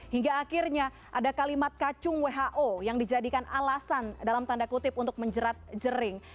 hingga akhirnya ada kalimat kacung who yang dijadikan alasan dalam tanda kutip untuk menjerat jering